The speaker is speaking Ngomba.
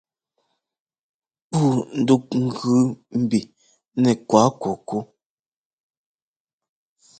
Pǔu ndúk gʉ mbi nɛ́ kuákukú.